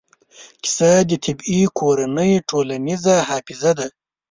کیسه د طبعي کورنۍ ټولنیزه حافظه ده.